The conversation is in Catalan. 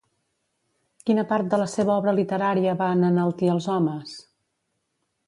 Quina part de la seva obra literària van enaltir els homes?